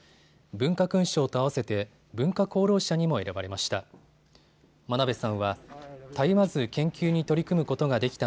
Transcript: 文化勲章と合わせて文化功労者にも選ばれました。